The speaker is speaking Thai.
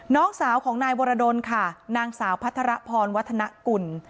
น้องสาวของนายวรดลค่ะนางสาวพัทรพรวัฒนกุล